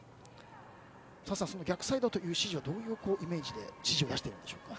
澤さん、逆サイドという指示はどういうイメージで指示を出しているんでしょうか。